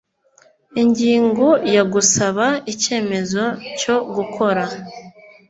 ingingo ya gusaba icyemezo cyo gukora